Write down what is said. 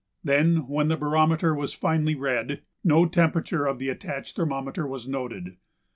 Then when the barometer was finally read, no temperature of the attached thermometer was noted.